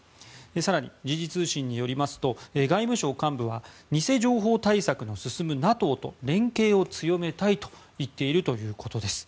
更に、時事通信によりますと外務省幹部は偽情報対策の進むＮＡＴＯと連携を強めたいと言っているということです。